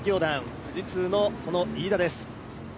富士通の飯田です。